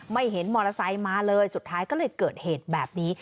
เห็นมอเตอร์ไซค์มาเลยสุดท้ายก็เลยเกิดเหตุแบบนี้